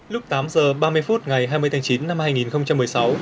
lúc tám h ba mươi phút ngày hai mươi tháng chín năm hai nghìn một mươi sáu